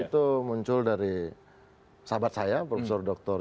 itu muncul dari sahabat saya prof dr